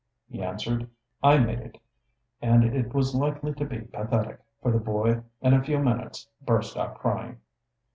He answered, "I made it, and it was likely to be pathetic, for the boy in a few minutes burst out crying."